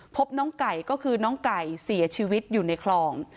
พบน้องไก่ก็คือน้องไก่เสียชีวิตอยู่ในคลอง